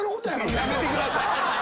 やめてください！